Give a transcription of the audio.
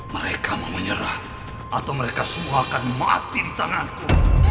mereka mau menyerah atau mereka semua akan mati di tanganku